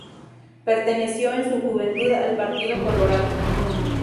Perteneció en su juventud al Partido Colorado.